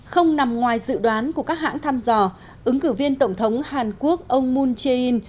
không nằm ngoài dự đoán của các hãng thăm dò ứng cử viên tổng thống hàn quốc ông moon jae in